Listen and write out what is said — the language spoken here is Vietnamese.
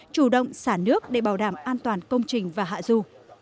chủ động xả nước để bảo đảm an toàn công trình và hạ du